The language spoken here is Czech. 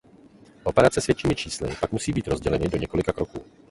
Operace s většími čísly pak musí být rozděleny do několika kroků.